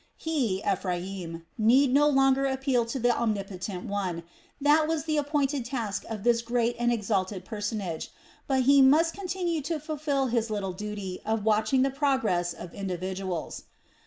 He, Ephraim, need no longer appeal to the Omnipotent One that was the appointed task of this great and exalted personage; but he must continue to fulfil his little duty of watching the progress of individuals.